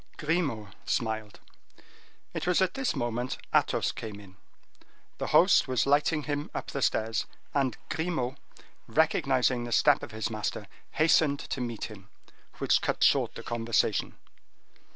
Grimaud smiled. It was at this moment Athos came in. The host was lighting him up the stairs, and Grimaud, recognizing the step of his master, hastened to meet him, which cut short the conversation.